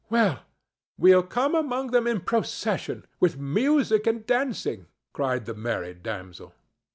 "We'll come among them in procession, with music and dancing," cried the merry damsel.